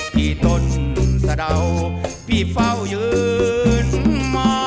พี่ต้นสะดาวพี่เฝ้ายืนมา